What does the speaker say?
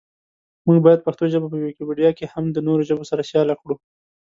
مونږ باید پښتو ژبه په ویکیپېډیا کې هم د نورو ژبو سره سیاله کړو.